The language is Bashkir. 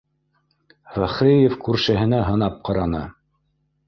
— Фәхриев күршеһенә һынап ҡараны